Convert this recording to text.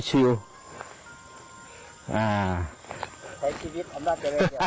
ใส่ชีวิตทำหน้าเจริญอย่างสบาย